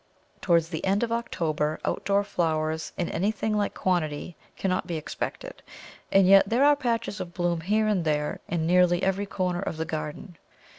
Towards the end of October outdoor flowers in anything like quantity cannot be expected, and yet there are patches of bloom here and there in nearly every corner of the garden.